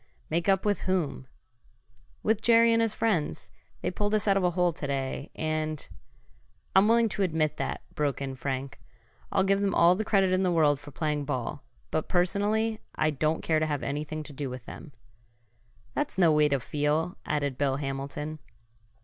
"Make up with whom?" "With Jerry and his friends. They pulled us out of a hole to day, and " "I'm willing to admit that," broke in Frank. "I'll give them all the credit in the world for playing ball, but, personally, I don't care to have anything to do with them." "That's no way to feel," added Bill Hamilton.